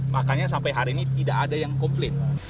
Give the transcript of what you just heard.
makanya sampai hari ini tidak ada yang komplain